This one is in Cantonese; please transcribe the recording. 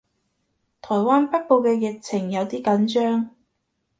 台灣北部嘅疫情有啲緊張